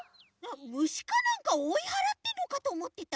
むしかなんかおいはらってんのかとおもってた。